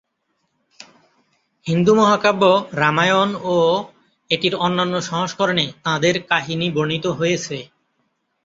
হিন্দু মহাকাব্য,"রামায়ণ" ও এটির অন্যান্য সংস্করণে তাঁদের কাহিনী বর্ণিত হয়েছে।